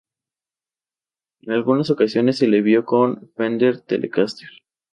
En algunas ocasiones se le vio con Fender Telecaster.